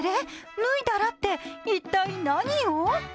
脱いだらって一体、何を？